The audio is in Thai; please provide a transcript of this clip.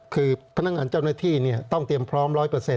คือพนักงานเจ้าหน้าที่ต้องเตรียมพร้อม๑๐๐